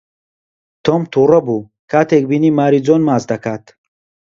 تۆم تووڕە بوو کاتێک بینی ماری جۆن ماچ دەکات.